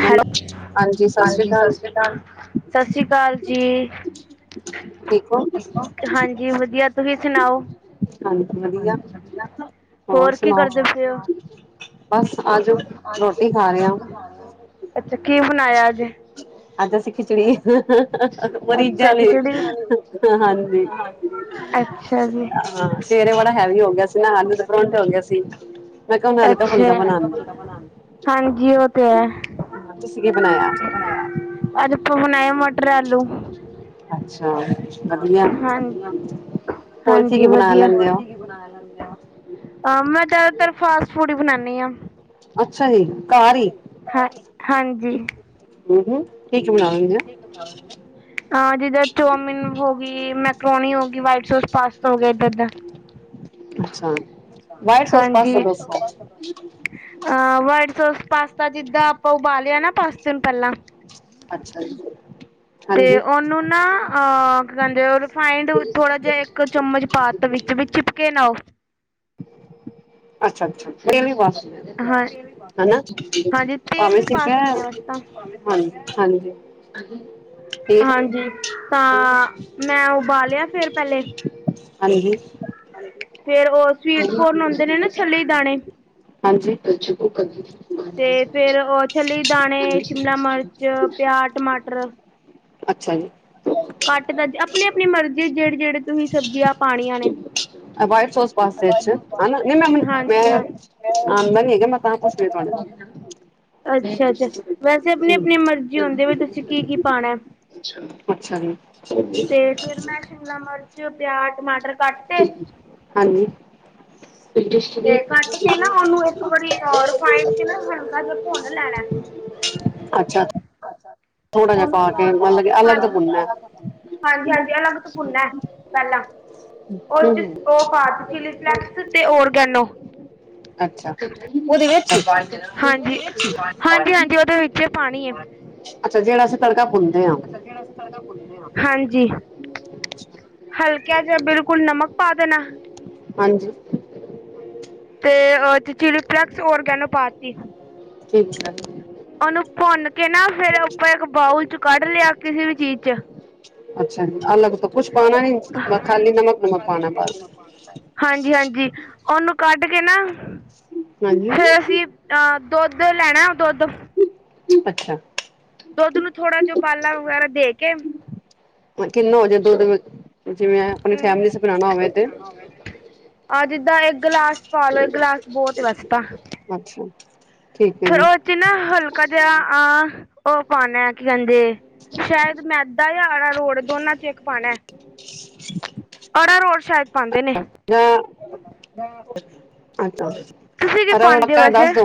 ਹਾਂਜੀ, ਹੈਲੋ, ਹਾਂਜੀ ਸਤਿ ਸ੍ਰੀ ਅਕਾਲ- ਸਤਿ ਸ੍ਰੀ ਅਕਾਲ ਜੀ। ਠੀਕ ਹੋ, ਹਾਂਜੀ ਵਧੀਆ ਤੁਸੀਂ ਸੁਣਾਓ ਹਾਂਜੀ ਵਧੀਆ। ਹੋਰ ਕੀ ਕਰਦੇ ਪਏ ਉ ਬਸ ਆਜੋ, ਰੋਟੀ ਖਾ ਰਹੇ ਹਾਂ ਅੱਛਾ, ਕੀ ਬਣਾਇਆ ਅੱਜ ਅੱਜ ਅਸੀਂ ਖਿਚੜੀ ਅੱਛਾ, ਮਰੀਜ਼ਾਂ ਲਈ ਖਿਚੜੀ ਹਾਂਜੀ ਅੱਛਾ ਜੀ। ਹਾਂ ਸਵੇਰੇ ਬੜਾ ਹੈਵੀ ਹੋ ਗਿਆ ਸੀ ਨਾ ਆਲੂ ਦੇ ਪਰੌਂਠੇ ਹੋ ਗਏ ਸੀ। ਮੈਂ ਕਿਹਾ ਹੁਣ ਹਲਕਾ ਅੱਛਾ, ਫੁਲਕਾ ਬਣਾਉਂਦੇ ਹਾਂ। ਹਾਂਜੀ ਉਹ ਤੇ ਹੈ ਤੁਸੀਂ ਕੀ ਬਣਾਇਆ ਅੱਜ? ਅੱਜ ਆਪਾਂ ਬਣਾਏ ਮਟਰ ਆਲੂ। ਅੱਛਾ। ਵਧੀਆ। ਹਾਂਜੀ, ਹੋਰ ਕੀ ਹਾਂਜੀ ਕੀ ਬਣਾ ਵਧੀਆ। ਲੈਂਦੇ ਹੋ? ਅ ਮੈਂ ਜ਼ਿਆਦਾਤਰ ਫਾਸਟ ਫੂਡ ਹੀ ਬਣਾਉਦੀ ਹਾਂ। ਅੱਛਾ ਜੀ! ਘਰ ਹੀ ਹਾਂ ਹਾਂਜੀ। ਹਮ ਹਮ, ਕੀ ਬਣਾ ਆ। ਹਾਂ। ਹਾਂ ਜਿੱਦਾਂ ਚੋਮਿਨ ਹੋ ਗਈ, ਮੈਕਰੋਨੀ ਹੋ ਗਈ, ਵਾਈਟ ਸੋਸ ਪਾਸਤਾ ਹੋ ਗਿਆ ਏਦਾਂ ਏਦਾਂ। ਅੱਛਾ, ਵਾਈਟ ਸੋਸ ਪਾਸਤਾ ਦੱਸਣਾ। ਅਹ ਵਾਈਟ ਸੋਸ ਪਾਸਤਾ ਜਿੱਦਾਂ ਆਪਾਂ ਉਬਾਲਿਆ ਨਾ ਪਾਸਤੇ ਨੂੰ ਪਹਿਲਾਂ ਅੱਛਾ ਜੀ। ਤੇ ਹਾਂਜੀ। ਉਹਨੂੰ ਨਾ ਅ ਕੀ ਕਹਿੰਦੇ ਉਹ ਰਿਫਾਈੰਡ ਥੋੜ੍ਹਾ ਜਿਹਾ ਇੱਕ ਚਮਚ ਪਾ ਵਿੱਚ ਵੀ ਚਿਪਕੇ ਨਾ ਉਹ ਅੱਛਾ-ਅੱਛਾ, ਨੀ-ਨੀ ਵਾਸ, ਹਾਂ ਹਨਾ? ਹਾਂਜੀ ਤੇਲ ਭਾਵੇਂ ਵੀ [unintelligible] ਪਾ ਸਕਦੇ ਹਾਂ ਵੈਸੇ ਤਾਂ ਹਾਂਜੀ-ਹਾਂਜੀ। ਹਾਂਜੀ ਤਾਂ ਮੈਂ ਉਬਾਲੇਆ ਫਿਰ ਪੈਲੇ। ਹਾਂਜੀ। ਫੇਰ ਉਹ ਸਵੀਟ ਕੋਰਨ ਹੋਂਦੇ ਨੇ ਨਾ, ਛੱਲੀ ਦਾਣੇ? ਹਾਂਜੀ ਤੇ ਫੇਰ ਉਹ ਛੱਲੀ ਦੇ ਦਾਣੇ, ਸ਼ਿਮਲਾ ਮਰ ਚ ਪਿਆਜ, ਟਮਾਟਰ ਅੱਛਾ ਜੀ। ਕਾਟ ਤਾ ਜੀ, ਅਪਣੀ-ਅਪਣੀ ਮਰਜ਼ੀ ਏ, ਜੇਹੜੀ-ਜੇਹੜੀ ਤੁਹੀਂ ਸਬਜ਼ੀਆਂ ਪਾਣੀਆਂ ਨੇ। ਐ ਵਾਈਟ ਸੋਸ ਪਾਸਤੇ ਇਚ, ਹਨਾ, ਹਾਂਜੀ ਹਾਂ [unintelligible] ਤਾਂ ਪੁੱਛ ਰਈ ਆ ਤੁਆਡੇ ਬਾਰੇ। ਅੱਛਾ-ਅੱਛਾ ਵੈਸੇ ਅਪਣੀ-ਅਪਣੀ ਮਰਜ਼ੀ ਹੋਂਦੀ, ਵੀ ਤੁਸੀਂ ਕੀ-ਕੀ ਪਾਣਾ ਏ। ਅੱਛਾ ਜੀ। ਫਿਰ ਮੈਂ ਸ਼ਿਮਲਾ ਮਰਚ, ਪਿਆਜ, ਟਮਾਟਰ ਕੱਟ ਤੇ [unintelligible] ਹਾਂਜੀ। ਤੇ ਕਾਟ ਕੇ ਨਾ, ਉਹਨੂੰ ਇੱਕ ਵਾਰੀ ਅ ਰਫਾਈਂਡ ਚ ਨਾ, ਹਲਕਾ ਜਿਆ ਭੁਨ ਲੈਣਾ ਏ। [inaudible] ਅੱਛਾ, ਹੁਣ ਔਨੂੰ [unintelligible] ਹਾਂਜੀ, ਹਾਂਜੀ-ਹਾਂਜੀ ਅਲੱਗ ਤੋਂ ਭੁਨਾ ਐ, ਪੈਲਾਂ। ਉਹ ਹੂੰ ਚ ਹੂੰ ਉਹ ਪਾਤੀ, ਚਿਲੀ ਫਲੇੈਕਸ ਤੇ ਓਰਗੈਨੋ। ਅੱਛਾ ਉਹਦੇ ਵਿੱਚ ਅਛਾੱ, ਹਾਂਜੀ, ਹਾਂਜੀ-ਹਾਂਜੀ ਉਹਦੇ ਵਿੱ ਫੇਰ ਪਾਣੀ ਏ। ਅੱਛਾ, ਜੇਅੜਾ ਅਸੀ ਤੜਕਾ ਭੁੰਨਦੇ ਹਾਂ। ਹਾਂਜੀ। ਹਲਕੇਯਾ ਜਿਹਾ ਬਿਲਕੁਲ ਨਮਕ ਪਾ ਦੇਣਾ। ਹਾਂਜੀ। ਤੇ ਅ ਚਿਲੀ ਫਲੈਕਸ, ਓਰਗੈਨੋ ਪਾਤੀ। ਠੀਕ ਹੈ। ਔਨੂੰ ਭੁੰਨ ਕੇ ਨਾ, ਫੇਰ ਆਪਾਂ ਏਕ ਬਾਊਲ ਚ ਕੱਢ ਲਿਆ, ਕਿਸੀ ਵੀ ਚੀਜ਼ ਚ। ਅੱਛਾ ਜੀ, ਅਲੱਗ ਤੋਂ ਕੁੱਛ ਪਾਣਾ ਨੀ? ਨਾ ਖਾਲੀ ਨਮਕ ਨੁਮਕ ਪਾਣਾ ਬਾਸ। ਹਾਂਜੀ-ਹਾਂਜੀ, ਔਨੂੰ ਕੱਢ ਕੇ ਨਾ, ਹਾਂਜੀ ਫੇਰ ਅਸੀਂ ਆ ਦੋਧ ਲੈਣਾ ਦੋਧ। ਅੱਛਾ। ਦੋਧ ਨੂੰ ਥੋੜਾ ਜਾ ਉਬਾਲਾ ਵਗੈਰਾ ਦੇ ਕੇ ਕਿੰਨਾ ਹੋ ਜੇ ਦੂਧ? ਜਿਵੇਂ ਅਪਣੀ ਫੈਮਿਲੀ ਆਸੇ ਬਣਾਣਾ ਹੋਵੇ ਤੇ? ਆਹ ਜਿੱਦਾਂ ਇੱਕ ਗਿਲਾਸ ਪਾਲੋ, ਇੱਕ ਗਿਲਾਸ ਬਹੋਤ ਏ ਵੈਸੇ ਤਾਂ। ਅੱਛਾ, ਠੀਕ ਹੈ ਜੀ। ਕਿੰਨਾ ਹਲਕਾ ਜੇਆ, ਆਹ ਉਹ ਪਾਣਾ ਏ, ਕੀ ਕੇਂਦੇ? ਸ਼ੈਦ ਮੈਦਾ ਯਾ ਅਰਾ ਰੋੜ, ਦੋਨਾਂ ਚੋ ਇੱਕ ਪਾਣਾ ਏ। ਅਰਾ ਰੋੜ ਸ਼ੈ [inaudible] [unintelligible] ਤੁਸੀਂ ਕੀ ਪਾਉਂਦੇ ਹੋ ਰੜਕਾ ਹੈ ਦੱਸ ਵੈਸੇ ਦੋ?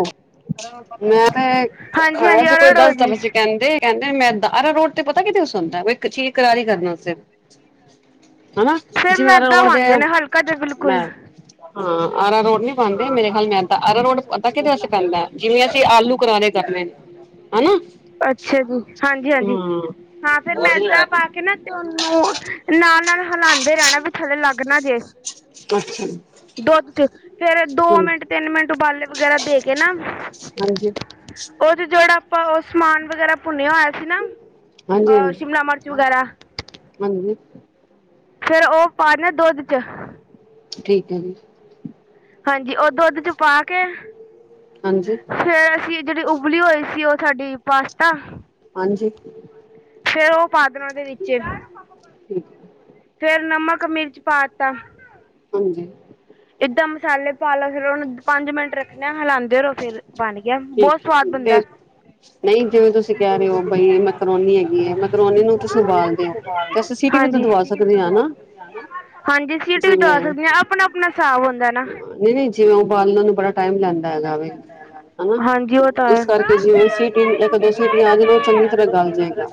ਮੈਂ ਤੇ ਹਾਂਜੀ ਖਾਇਆ ਹਾਂਜੀ ਸੀ, ਕੋਈ ਅਰਾਰੋਟ ਦੱਸ ਦੀ ਵਜੇ ਕਹਿੰਦੇ ਕੈਂਦੇ ਏ ਮੈਦਾ, ਅਰਾ ਰੋਟ ਤੇ ਪਤਾ ਕਿਦੇ ਵਸਤੇ ਹੁੰਦਾ ਏ? ਵਈ ਕਿ ਚੀਜ਼ ਕਰਾਰੀ ਕਰਨ ਆਸਤੇ। ਹਨਾ, ਫਿਰ ਜਿਵੇਂ ਆਰਾ ਮੈਦਾ ਰੋੜ ਦੇ ਪਾਉਂਦੇ ਨੇ ਹਲਕਾ ਜਿਹਾ ਮੈਂ, ਬਿਲਕੁਲ ਹਾਂ ਅਰਾ ਰੋੜ ਨੀ ਪਾਂਦੇ ਮੇਰੇ ਖਯਾਲ ਮੈਦਾ, ਅਰਾ ਰੋਟ ਪਤਾ ਕਿਹਦੇ ਵਾਸੇ ਪੈਂਦਾ ਏ? ਜਿਵੇਂ ਅਸੀਂ ਆਲੂ ਕਰਾਰੇ ਕਰਨੇ ਨੇ ਹਨਾ ਅੱਛਾ ਜੀ, ਹਾਂਜੀ-ਹਾਂਜੀ, ਹਾਂ ਹਾਂ ਫੇਰ ਮੈਦਾ ਪਾ ਕੇ ਨਾ ਤੇ ਔਨੂੰ ਨਾਲ-ਨਾਲ ਹਲਾੰਦੇ ਰੈਣਾ ਵੀ ਥੱਲੇ ਲੱਗ ਨਾ ਜੇ। ਅੱਛਾ। ਦੁੱਧ ਚ ਫੇਰ ਦੋ ਹਾਂਜੀ ਮਿੰਟ, ਤਿੰਨ ਮਿੰਟ, ਉਬਾਲੇ ਵਗੈਰਾ ਦੇ ਕੇ ਨਾ ਹਾਂਜੀ ਹਾਂਜੀ ਔਦੇ ਚ ਜਿਹੜਾ ਆਪਾਂ ਓਹ ਸਮਾਨ ਵਗੈਰਾ ਭੁੰਨਿਆ ਹੋ ਚੀ ਨਾ ਅ ਸ਼ਿਮਲਾ ਮਿਰਚ ਵਗੈਰਾ। ਹਾਂਜੀ। ਫੇਰ ਓਹ ਪਾ ਦੇਣਾ ਦੁੱਧ ਚ। ਠੀਕ ਹੈ ਜੀ। ਹਾਂਜੀ, ਓਹ ਦੁੱਧ ਚ ਪਾ ਕੇ ਹਾਂਜੀ। ਫੇਰ ਅਸੀਂ ਜਿਹੜੀ ਉਬਲੀ ਹੋਈ ਸੀ ਓਹ ਸਾਡੀ ਪਾਸਤਾ। ਹਾਂਜੀ। ਫੇਰ ਓਹ ਪਾ ਦੇਣਾ ਓਦੇ ਵਿੱਚੇ, ਠੀਕ ਫੇਰ ਨਮਕ ਮਿਰਚ ਪਾ ਤਾ। ਹਾਂਜੀ। ਏਦਾਂ ਮਸਾਲੇ ਪਾ ਲੋ, ਫਿਰ ਓਨੂੰ ਪੰਜ ਮਿੰਟ ਰੱਖਣਾ, ਹਿਲਾਂਦੇ ਰੋ ਫਿਰ। ਬਣ ਗਿਆ, ਬੌਤ ਠੀਕ ਸਵਾਦ ਤੇ ਬਣਦਾ। ਨਹੀਂ ਜਿਵੇਂ ਤੁਸੀਂ ਕਹਿ ਰੇ ਓ, ਬਈ ਮੈਕਰੋਨੀ ਹੈਗੀ ਏ ਮੈਕਰੋਨੀ ਨੂੰ ਤੁਸੀਂ ਉਬਾਲ ਦੇ ਓ। ਹਾਂਜੀ, ਹਾਂਜ, ਸੀਟੀ ਵੀ ਦਵਾ ਸਕਦੇ ਆ ਜਿਵੇਂ ਅਪਣਾ- ਅਪਣਾ ਸਾਬ ਹੁੰਦਾ ਨਾ। ਨਹੀਂ ਨਹੀਂ, ਜਿਵੇਂ ਉਬਾਲਣ ਨੂੰ ਬੜਾ ਟਾਈਮ ਲੈਂਦਾ ਹੈਗਾ ਵੇ। ਹਨਾ ਹਾਂਜੀ, ਓ ਤਾਂ ਹੈ‌। ਇਸ ਕਰਕੇ ਜਿਵੇਂ ਸੀਟੀ ਇੱਕ ਦੋ ਸੀਟੀਆਂ ਆ ਜਾਣ ਉਹ ਚੰਗੀ ਤਰ੍ਹਾਂ ਗਲ ਜਾਏਗਾ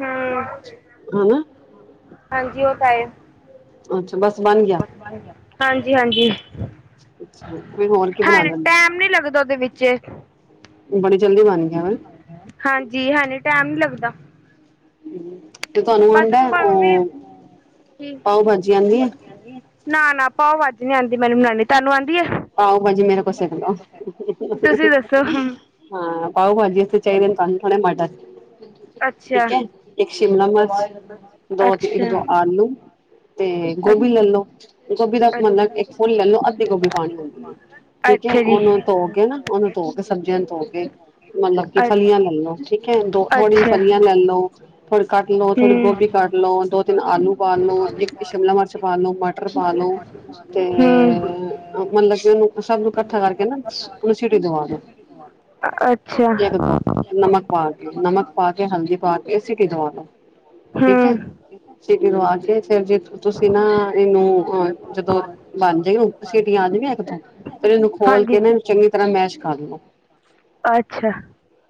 ਹੂੰ। ਹਨਾ। ਹਾਂਜੀ, ਓਹ ਤਾਂ ਏ। ਅੱਛਾ, ਬਸ ਬਣ ਗਿਆ। ਹਾਂਜੀ, ਹਾਂਜੀ। ਅੱਛਾ ਫਿਰ ਹੋਰ ਕੀ ਹਾਂ, ਬਣਾ ਲੈਂਦੇ ਟੈਮ ਨੀ ਲੱਗਦਾ ਉਹਦੇ ਵਿੱਚੇ। ਬੜੀ ਜਲਦੀ ਬਣ ਗਿਆ ਨਾ। ਹਾਂਜੀ ਹਲੇ ਟਾਈਮ ਨੀ ਲੱਗਦਾ। ਤੇ ਤੁਹਾਨੂੰ ਬਸ ਆਂਦਾ ਹੈ ਭਾਵੇਂ ਉਹ ਕੀ ਪਾਓ ਭਾਜੀ ਆਂਦੀ ਹੈ। ਨਾ ਨਾ ਭਾਓ ਭਾਜੀ ਨੀ ਆਂਦੀ ਮੈਨੂੰ ਬਨਾਨੀ ਤੁਹਾਨੂੰ ਆਂਦੀ ਏ। ਪਾਓ ਭਾਜੀ ਮੇਰੇ ਕੋ ਸਿੱਖ ਲਓ। ਤੁਸੀਂ ਦੱਸੋ ਹੁਣ ਹਾਂ ਪਾਓ ਭਾਜੀ ਇੱਥੇ ਚਾਹੀਦੇ ਨੇ ਤੁਹਾਨੂੰ ਥੋੜੇ ਮਟਰ ਅੱਛਾ। ਠੀਕ ਹੈ ਇੱਕ ਸ਼ਿਮਲਾ ਮਿਰਚ ਦੋ ਇੱਕ ਅੱਛਾ ਦੋ ਆਲੂ ਤੇ ਅ ਗੋਭੀ ਲੈ ਲੋ ਗੋਭੀ ਦਾ ਮਤਲਬ ਇੱਕ ਫੁੱਲ ਲੈ ਲੋ ਅੱਧੀ ਗੋਭੀ ਪਾਣੀ ਹੁੰਦੀ ਹੈ। ਠੀਕ ਹੈ, ਅੱਛਾ ਜੀ ਉਹਨੂੰ ਧੋ ਕੇ ਨਾ ਉਹਨੂੰ ਧੋ ਕੇ ਸਬਜ਼ੀਆਂ ਨੂੰ ਧੋ ਕੇ ਮਤਲਬ ਕਿ ਅ ਫਲੀਆਂ ਲੈ ਲੋ, ਠੀਕ ਹੈ। ਦੋ ਥੋੜੀ ਜੀ ਅੱਛਾ ਫਲੀਆਂ ਲੈ ਲੋ। ਥੋੜੀ ਕੱਟ ਲੋ, ਥੋੜੀ ਗੋਭੀ ਕੱਟ ਲੋ, ਦੋ-ਤਿੰਨ ਆਲੂ ਬਾਲ ਲੋ, ਇੱਕ ਸ਼ਿਮਲਾ ਮਰਚ ਪਾਲੋ, ਮਟ ਟਰ ਪਾ ਲੋ ਤੇ ਹਮ ਹਮ ਮਤਲਬ ਕਿ ਉਨੂੰ ਸਭ ਨੂੰ ਕੱਠਾ ਕਰਕੇ ਨਾ ਉਨੂੰ ਸਿਟੀ ਦਵਾ ਦੋ। ਸਵਾਦ ਏ ਬੋਤ। ਏਕ-ਦੋ ਨਮਕ ਪਾ ਕੇ ਨਮਕ ਪਾ ਕੇ ਹਲਦੀ ਪਾ ਕੇ ਸਿਟੀ ਦਵਾ ਲੋ। ਹੂੰ, ਸਿਟੀ ਦਵਾ ਕੇ ਫੇਰ ਜੇ ਤੁਸੀਂ ਨਾ ਇਨੂੰ ਅ ਜਦੋਂ ਲਾਂਦੇ ਓ। ਸਿਟੀ ਆ ਜਾਵੇ ਇੱਕ-ਦੋ, ਫੇਰ ਏਨੂੰ ਖੋਲ ਹਾਂਜੀ ਕੇ ਨਾ ਏਨੂੰ ਚੰਗੀ ਤਰ੍ਹਾਂ ਮੈਸ਼ ਕਰ ਲੋ। ਅੱਛਾ।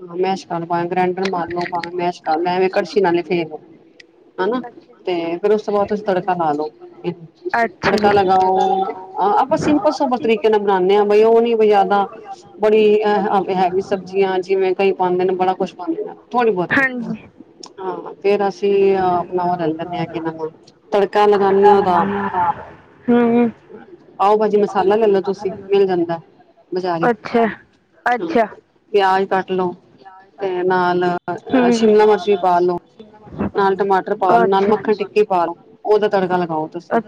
ਹਾਂ, ਮੈਸ਼ ਕਰਦਾ, ਗ੍ਰੈਂਡਰ ਮਾਰ ਲੋ ਭਾਂਵੇ ਮੈਸ਼ ਕਰ ਲੋ, ਐਵੇ ਕੜਛੀ ਨਾਲ ਈ ਫੇ ਲੋ। ਹਨਾ ਅੱਛਾ ਤੇ ਫਿਰ ਉਸ ਤੋਂ ਬਾਅਦ ਤੁਸੀਂ ਤੜਕਾ ਲਾ ਲੋ, ਅੱਛਾ ਜੀ। ਤੜਕਾ ਲਗਾਓ ਅ ਆਪਾਂ ਸਿੰਪਲ ਸੋਬਰ ਤਰੀਕੇ ਨਾਲ ਬਣਾਣੇ ਆ ਬਈ ਓਹ ਨੀ ਬਈ ਜ਼ਿਆਦਾ ਬੜੀ ਐ ਹੈਵੀ ਸਬਜ਼ੀਆਂ ਜਿਵੇਂ ਕਈ ਪਾਂਦੇ ਨੇ ਬੜਾ ਕੁੱਛ ਪਾਂਦੇ ਨੇ ਥੋੜੀ ਬੌਤੀ। ਹਾਂਜੀ ਹਾਂ ਫੇਰ ਅਸੀਂ ਆਪਣਾ ਓ [unintelligible] ਲੈਂਦੇ ਹਾਂ ਕਿ ਨਾਮ ਤੜਕਾ ਲਗ [unintelligible] ਹੂੰ, ਪਾਓ ਭਾਜੀ ਮਸਾਲਾ ਲੈਣਾ ਤੁਸੀਂ, ਮਿਲ ਜਾਂਦਾ, ਬਜ਼ਾਰੀ ਅੱਛਾ-ਅੱਛਾ ਪਿਆਜ ਕੱਟ ਲਓ। ਤੇ ਨਾਲ, ਹੂੰ। ਸ਼ਿਮਲਾ ਮਿਰਚ ਵੀ ਪਾ ਲਓ, ਨਾਲ ਟਮਾਟਰ ਪਾ ਲਓ, ਨਾਲ ਮੱਖਣ ਟਿੱਕੀ ਪਾਲੋ, ਉਹਦਾ ਤੜਕਾ ਲਗਾਓ ਤੁਸੀਂ।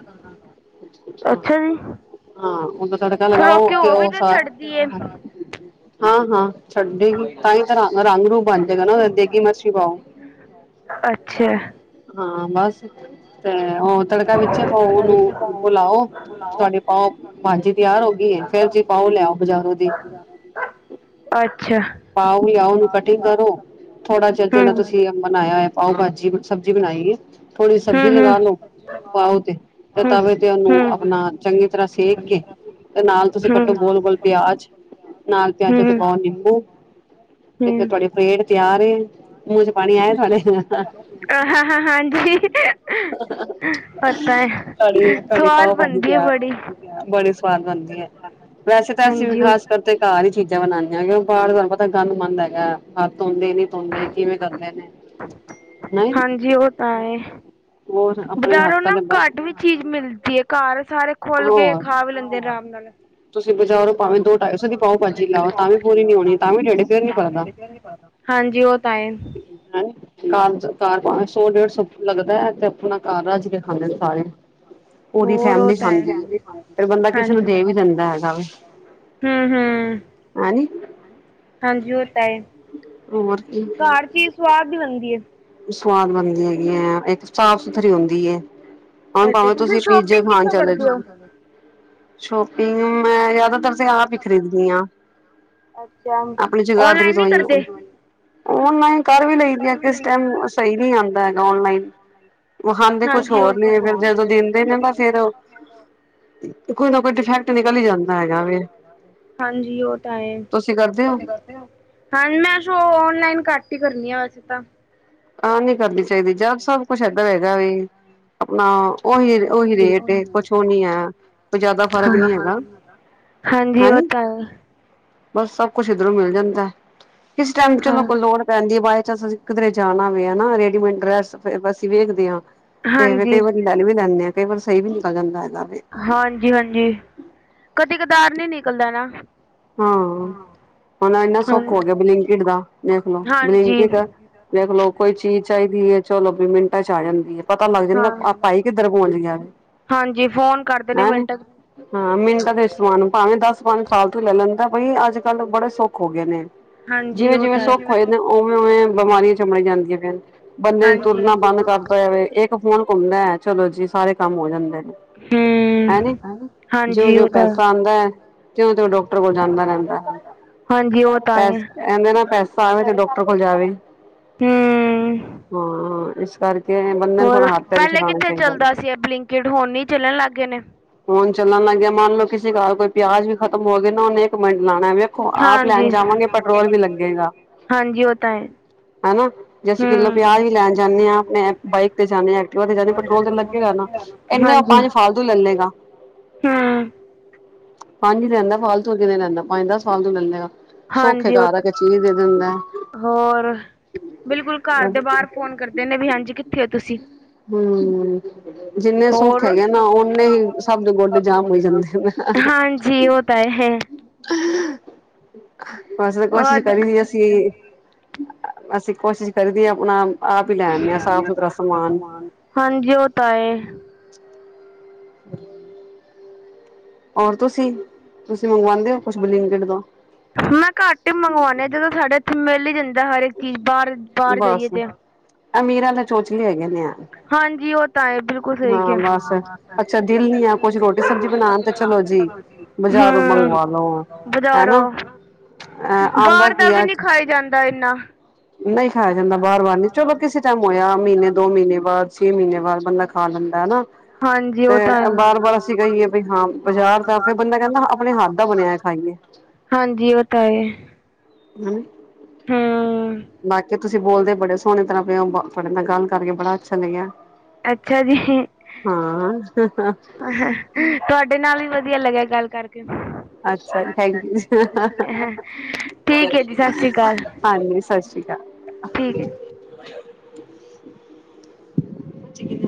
ਅੱਛਾ ਜੀ ਹਾਂ, ਉਹਦਾ ਤੜਕਾ ਫਿਰ ਲਗਾਓ ਤੇ ਘਿਓ ਵੀ ਉਹ ਸਾਰ ਹਾਂ, ਹਾਂ ਛੱਡੇ ਹੀ, ਤਾਂ ਹੀ ਰਾ ਅੱਛਾ। ਹਾਂ ਬਸ, ਤੇ ਉਹ ਤੜਕਾ ਵਿੱਚ ਪਾਓ, ਉਹਨੂੰ ਹਿਲਾਓ ਹਿਲਾਓ, ਤੁਹਾਡੀ ਪਾਓ ਗਈ ਭਾਜੀ ਹੈ ਫੇਰ ਤਿਆਰ ਹੋ ਜੀ ਪਾਓ ਲਿਆਓ ਬਜ਼ਾਰੋਂ ਦੀ ਗਈ। ਪਾਓ ਵੀ ਆਓ ਉਹਨੂੰ ਕਟਿੰਗ ਕਰੋ, ਥੋੜਾ ਜਿਹਾ ਜਿਹੜਾ ਤੁਸੀਂ ਬਨਾਇਆ ਹੋਇਆ। ਪਾਓ ਭਾਜੀ ਸਬਜ਼ੀ ਬਣਾਈਏ, ਥੋੜ੍ਹੀ ਸਬਜ਼ੀ ਲਗਾ ਲਓ। ਪਾਓ ਤੇ, ਤੇ ਤਵੇ ਤੇ ਉਹਨੂੰ ਆਪਣਾ ਚੰਗੀ ਤਰ੍ਹਾਂ ਸੇਕ ਕੇ, ਤੇ ਨਾਲ ਤੁਸੀਂ ਕੱਟੋ ਗੋਲ- ਗੋਲ ਪਿਆਜ ਨਾਲ ਪਿਆਜ਼ਾ ਤੇ ਪਾਓ ਨਿੰਬੂ ਇੱਕ ਤੁਹਾਡੀ ਪਲੇਟ ਤਿਆਰ ਏ, ਮੂੰਹ 'ਚ ਪਾਣੀ ਆਏ ਤੁਹਾਡੇ। ਹ, ਹਾਂ, ਹਾਂ ਹਾਂਜੀ। ਹ [unintelligible] ਪਤਾ ਹੈ, ਸੁਆਦ ਪਾਓ ਭਾਜੀ ਬਣਦੀ ਹੈ ਤਿਆਰ ਬੜੀ। ਬੜੀ ਸਵਾਦ ਬਣਦੀ ਹੈ। ਵੈਸੇ ਤਾਂ ਅਸੀਂ ਵੀ ਹਾਂਜੀ ਉਹ ਖਾਸ ਕਰਕੇ ਘਰ ਹੀ ਚੀਜ਼ਾਂ ਬਣਾਉਂਦੇ, ਕਿਉਕਿ ਬਾਹਰ ਤੁਹਾਨੂੰ ਪਤਾ ਗੰਦਮੰਦ ਹੈਗਾ। ਹੱਥ ਧੋਂਦੇ ਹੀ ਨੀ, ਧੋਂਦੇ, ਕਿਵੇਂ ਕਰਦੇ ਨੇ। ਨਹੀਂ ਹਾਂਜੀ, ਉਹ ਤਾਂ ਹੈ, ਹੋਰ ਆਪਣੇ ਬਾਹਰੋ ਹੱਥਾਂ ਨਾ ਦੇ ਘੱਟ ਵਿ ਚੀਜ਼ ਮਿਲਦੀ ਹੈ, ਘਰ ਸਾਰੇ ਖੁਲ ਕੇ, ਹੋਰ ਖਾ ਵੀ ਲੈਂਦੇ ਆਰਾਮ ਨਾਲ। ਤੁਸੀਂ ਬਾਜ਼ਾਰੋ ਭਾਵੇਂ ਦੋ ਢਾਈ ਸੌ ਦੀ ਪਾਓ ਭਾਜੀ ਲਾਓ, ਤਾਂ ਵੀ ਪੂਰੀ ਨੀ ਹੋਣੀ, ਤਾਂ ਵੀ ਡਿਢ, ਫਿਰ ਨੀ ਭਰਦਾ। ਇਹ ਨਹੀਂ ਪਾਣਾ। ਹਾਂਜੀ, ਉਹ ਤਾਂ ਐ। ਕਾਰ, ਕਾਰ ਪਾਵੇ ਸੌ ਡੇਢ ਸੌ ਲੱਗਦਾ। ਤੇ ਅਪਣਾ ਘਰ, ਰਜ ਕੇ ਖਾਂਦੇ ਨੇ ਸਾਰੇ। ਪੂਰੀ ਹੋਰ ਉਹ ਫੈਮਿਲੀ ਤਾਂ ਹੈ ਖਾਂਦੀ ਏ। ਫੇਰ ਬੰਦਾ ਕਿਸੇ ਨੂੰ ਦੇ ਵੀ ਦਿੰਦਾ। ਹੈਗਾ ਹੁੰ, ਹੁੰ। ਹੈ, ਨੀ। ਹਾਂਜੀ, ਉਹ ਤਾਂ ਐ। ਹੋਰ, ਕੀ। ਹਰ ਚੀਜ਼ ਸਵਾਦ ਹੀ ਬਣਦੀ। ਸਵਾਦ ਬਣਦੀ ਹੈਗੀ ਹੈ, ਇੱਕ ਸਾਫ਼ ਸੁਥਰੀ ਹੁੰਦੀ ਹੈ। ਹੁਣ ਅੱਛਾ ਭਾਵੇਂ, ਤੁਸੀਂ ਪੀਜੇ ਸ਼ੋਪਿੰਗ ਖਾਣ ਕਿੱਥੋਂ ਚਲੇ ਜ। ਕਰਦੇ ਹੋ ਸ਼ੋਪਿੰਗ, ਮੈਂ ਜ਼ਿਆਦਾਤਰ ਤੇ ਆਪ ਹੀ ਖਰੀਦਦੀ ਹਾਂ। ਅੱਛਾ ਆਪਣੀ ਜਗਾਧਰੀ ਔਨਲਾਈਨ ਤੋਂ ਨਹੀਂ ਵੀ, ਕਰਦੇ ਔਨਲਾਈਨ ਕਰ ਵੀ ਲਈ ਦੀਆ। ਇਹਨੂੰ ਸਹੀ ਨੀ ਆਉਂਦਾ ਹੈਗਾ ਔਨਲਾਈਨ। ਵਿਖਾਉਂਦੇ ਕੁਛ ਹਾਂਜੀ ਉਹ ਹੋਰ ਨੀ, ਤਾਂ ਫਿਰ ਜਦੋਂ ਦਿੰਦੇ ਨੇ ਤਾਂ, ਹੈ। ਫਿਰ ਕੋਈ ਨਾ ਕੋਈ ਡਿਫੈਕਟ ਨਿਕਲ ਹੀ ਜਾਂਦਾ ਹੈਗਾ ਵ। ਹਾਂਜੀ ਉਹ ਤਾਂ ਹੈ ਤੁਸੀਂ ਕਰਦੇ ਹੋ। ਹਾਂਜੀ ਮੈਂ ਸ਼ੋਪਿੰਗ ਓਨਲਾਈਨ ਘਟ ਹੀ ਕਰਨੀ ਆ ਵੈਸੇ ਤਾਂ। ਆਹ ਨਹੀਂ ਕਰਨੀ ਚਾਹੀਦੀ ਜਦ ਸਭ ਕੁਛ ਏਧਰ ਹੈਗਾ ਵੇ ਆਪਣਾ ਉਹੀ ਉਹੀ ਰੇਟ ਏ, ਕੁਛ ਉਹ ਨੀ ਹੈ ਕੋਈ ਜ਼ਿਆਦਾ ਫ਼ਰਕ ਨਹੀਂ ਹੈਗਾ [unintelligible] ਹਾਂਜੀ, ਉਹ ਹੈਨੀ ਤਾਂ ਹੈ। ਬਸ, ਸਭ ਕੁੱਛ ਇੱਧਰੋਂ ਮਿਲ ਜਾਂਦਾ, ਕਿਸ ਟਾਈਮ ਹਾਂ ਚਲੋ ਕੋਈ ਲੋੜ ਭੈਣ ਜੀ ਬਾਈ ਚਾਂਸ ਅਸੀ ਕਿਧਰੇ ਜਾਣਾ ਵਵੇ ਨਾ, ਰੇਡੀਮੇਡ ਡਰੈਸ ਬਸ ਅਸੀਂ ਵੇਖਦੇ ਹਾਂ। ਤੇ ਫ ਕਈ ਹਾਂਜੀ ਵਾਰੀ ਲੈ ਵੀ ਲੈਂਦੇ ਆਂ, ਕਈ ਵਾਰੀ ਸਹੀ ਵੀ ਨਿਕਲ ਜਾਂਦਾ ਇਹਦਾ ਹਾਂਜੀ-ਹਾਂਜੀ, ਕਦੇ ਕਦਾਰ ਨੀ ਨਿਕਲਦਾ ਨਾ। ਹਾਂ, ਹੁਣ ਇੰਨਾ ਹਾਂ ਸੁੱਖ ਹੋ ਗਿਆ ਬਲਿੰਕਿਟ ਦਾ, ਦੇਖਲੋ, ਹਾਂਜੀ ਬਲਿੰਕਿਟ। ਦੇਖਲੋ, ਕੋਈ ਚੀਜ਼ ਚਾਈਦੀ ਏ ਚਲੋ ਵੀ ਮਿੰਟਾਂ'ਚ ਆ ਜਾਂਦੀ ਏ। ਪਤਾ ਲੱਗ ਜਾਂਦਾ ਹਾਂ ਆ ਭਾਈ, ਕਿੱਧਰ ਪੋਂਚਗਿਆ। ਹਾਂਜੀ, ਫੋਨ ਕਰ ਹੈ ਨੇ? ਹਾਂ, ਮਿੰਟਾਂ ਦੇ ਸਮਾਨ ਨੂੰ, ਪਾਵੇਂ ਦਸ-ਪੰਜ ਫਾਲਤੂ ਲੈ ਲੈਂਦਾ ਬਈ, ਅੱਜ-ਕੱਲ ਬੜੇ ਸੌਖੇ ਸੁੱਖ ਹੋਗੇ ਨੇ। ਹਾਂਜੀ ਉਹ ਜਿਵੇਂ-ਜਿਵੇਂ ਤਾਂ ਹੈ ਸੁੱਖ ਹੋਏ ਨੇ, ਹਾਂਜੀ ਓਵੇਂ-ਓਵੇਂ ਹੂੰ ਬਿਮਾਰੀਆਂ ਚਮੜ ਜਾਂਦੀਆਂ ਫਿਰ। ਬੰਦੇ ਨੇ ਤੁਰਨਾ ਹਾਂਜੀ ਉਹ ਬੰਦ ਕਰਤਾ ਵੇ, ਇੱਕ ਫੋਨ ਘੁਮਦੈ, ਚਲੋ ਜੀ, ਸਾਰੇ ਕੰਮ ਹੋ ਜਾਂਦੇ ਨੇ। ਹੈਨੀ, ਜਿਉਂ-ਜਿਉਂ ਤਾਂ ਪੈਸਾ ਆਂਦਾ ਐ, ਤਿਉਂ-ਤਿਉਂ ਡੋਕ ਕਟਰ ਕੋਲ ਜਾਂਦਾ ਰਹਿੰਦਾ, ਹਾਂਜੀ ਉਹ ਤਾਂ ਟੈਸ ਹੈ ਕਹਿੰਦੇ ਨਾ, ਪੈਸਾ ਆਵੇ ਤੇ ਡੌਕਟਰ ਕੋਲ ਜਾਵੇ। ਹੂੰ ਹਾਂ, ਇਸ ਕਰਕੇ ਬੰਦੇ ਨੂੰ ਹੋਰ, ਥੋੜਾ ਹੱਥ ਪੈਰ ਵੀ ਪਹਿਲੇ ਚਲਾਣਾ ਕਿੱਥੇ ਚਾਹੀਦਾ ਵੇ। ਚੱਲਦਾ ਸੀ, ਐ ਬਲਿੰਕਿਟ, ਹੁਣ ਈ ਚੱਲਣ ਲੱਗ ਗਏ ਨੇ। ਹੁਣ ਚੱਲਣ ਲੱਗਗੇ, ਮੰਨਲੋ, ਕਿਸੇ ਘਰ ਕੋਈ ਪਿਆਜ ਵੀ ਖਤਮ ਹੋ ਗਏ ਨਾ ਓਹਨੇ ਮਿੰਟ ਲਾਣਾ, ਵੇਖੋ, ਆਪ ਲੈਣ ਹਾਂਜੀ ਜਾਵਾਂਗੇ ਪੈਟਰੋਲ ਵੀ ਲੱਗੇਗਾ। ਹਾਂਜੀ ਉਹ ਤਾਂ ਹੈ ਹੈ ਨਾ, ਜੇ ਅਸੀਂ ਹੂੰ ਕਿੱਲੋ ਪਿਆਜ਼ ਵੀ ਲੈਣ ਜਾਨੇਂ ਆਂ ਅਪਣੇ ਬਾਈਕ ਤੇ ਜਾਨੇਂ ਆਂ, ਐਕਟੀਵਾ ਤੇ ਜਾਨੇਂ ਆ, ਪੈਟਰੋਲ ਤੇ ਲੱਗੇਗਾ ਨਾ। ਇੱਨਾਂ ਓ ਪੰਜ ਫਾਲਤੂ ਲਲੇਗਾ। ਹੁੰ। ਪੰਜ ਈ ਲੈੰਦਾ ਫਾਲਤੂ ਹੋਰ ਕਿਨੇ ਲੈੰਦਾ? ਪੰਜ-ਦਸ ਫਾਲਤੂ ਲੈਲੇਗਾ। ਹਾਂਜੀ, ਓ ਤਾ ਮੈਂ ਹੋਰ, ਬਿਲਕੁਲ ਘਰ ਹਮ ਦੇ ਬਾਹਰ ਫੋਨ ਕਰਦੇ ਨੇ ਵੀ ਹਾਂਜੀ, ਕਿੱਥੇ ਹੋ ਤੁਸੀਂ? ਹੁੰ। ਜਿੰਨੇ ਸੁਖ ਹੋਰ ਹੈਗੇ ਨਾ, ਓਹਨੇ ਹੀ ਸਭ ਦੇ ਗੋਡੇ ਜਾਮ ਹੋਈ ਜਾਂਦੇ ਨੇ। ਜੀ, ਓ ਤਾ‌ ਏ। ਬਸ, ਕੋਸ਼ਿਸ਼ ਅੱਜ ਕਰੀ ਦੀ ਅਸੀ ਅਸੀ ਕੋਸ਼ਿਸ਼ ਕਰੀ ਦੀਏ, ਅਪਣਾ-ਆਪ ਹੀ ਲੈ ਆਂਨੇ ਆਂ, ਸਾਫ਼-ਸੁਥਰਾ ਸਮਾਨ। ਹਾਂਜੀ, ਓ ਤਾ ਏ। ਹੋਰ ਤੁਸੀਂ, ਤੁਸੀਂ ਮੰਗਵਾਂਦੇ ਓ, ਕੁਛ ਬਲਿੰਕਿਟ ਤੋ? ਮੈਂ ਘੱਟ ਹੀ ਮੰਗਵਾਉਨੀ ਆ, ਜਦੋਂ ਸਾਡੇ ਇੱਥੇ ਮਿਲ ਹੀ ਜਾਂਦੀ ਜਿਦਾ ਹਰੇਕ ਚੀਜ਼ ਬਾਹਰ, ਬਾਹਰ ਜਾਈਏ ਬਸ ਤੇ। ਅਮੀਰਾਂ ਦੇ ਚੋਚਲੇ ਹੈਗੇ ਨੇ ਯਾਰ ਹਾਂਜੀ ਉਹ ਤਾ ਏ, ਬਿਲਕੁਲ ਸਹੀ ਹਾਂ ਕਿਆ। ਬਸ ਅੱਛਾ ਦਿਲ ਨੀ ਆ ਕੁਛ ਰੋਟੀ ਸਬਜ਼ੀ ਬਣਾਉਣ ਤੇ ਚਲੋ ਜੀ ਬਜ਼ਾਰੋਂ ਹੂੰ, ਮੰਗਵਾ ਲੋ ਬਜ਼ਾਰੋ। ਹਨਾ ਅਹ ਆਉਂਦਾ ਬਾਹਰ ਕੀ ਦਾ ਵੀ ਆ ਨਹੀਂ ਖਾਯ ਜਾਂਦਾ ਏਨਾ। ਨਹੀਂ ਖਾਇਆ ਆ ਬਾਰ ਜਾਂਦਾ ਬਾਰ ਨੀ ਬਾਹਰ ਚਲੋ ਵਾਲੀ, ਕਿਸੇ ਟਾਈਮ ਹੋਇਆ ਦਾ ਦੋ ਮਹੀਨੇ ਤੋਂ ਬਾਅਦ ਛੇ ਮਹੀਨੇ ਬਾਅਦ ਬੰਦਾ ਖਾ ਲੈਂਦਾ ਹਨਾ ਹਾਂਜੀ, ਉਹ ਤਾ ਤੇ ਹੈ। ਬਾਰ ਬਾਰ ਅਸੀਂ ਕਹੀਏ ਵੀ ਹਾਂ ਬਾਜ਼ਾਰ ਦਾ ਫਿਰ ਬੰਦਾ ਕਹਿੰਦਾ ਆਪਣੇ ਹੱਥ ਦਾ ਬਣਿਆ ਖਾਈਏ ਹਾਂਜੀ, ਓ ਤਾ ਏ। ਉਂ ਹੁੰ। ਵਾਕ੍ਅ ਤੁਸੀਂ ਬੋਲਦੇ ਬੜੇ ਸੋਣੇ ਤਰ੍ਹਾਂ ਪੇਂ ਓ। ਤੁਆਡੇ ਨਾਲ ਗੱਲ ਕਰਕੇ ਬੜਾ ਅੱਛਾ ਲੱਗਿਆ। ਅੱਛਾ ਜੀ। ਹਾਂ ਹਹਾ ਤੁਆਡੇ ਨਾਲ ਵੀ ਵਧੀਆ ਲੱਗਿਆ ਗੱਲ ਕਰਕੇ। ਅੱਛਾ ਜੀ, ਥੈਂਕ ਯੂ ਜੀ। ਹਾ ਹਾ ਹਾ ਠੀਕ ਹੈ ਜੀ ਸਤਿ ਸ੍ਰੀ ਅਕਾਲ ਹਾਂਜੀ, ਸਸ਼ੀ ਠੀਕ ਹੈ। ਕਾਲ।